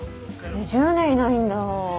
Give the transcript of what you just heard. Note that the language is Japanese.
えっ１０年いないんだ。